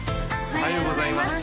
おはようございます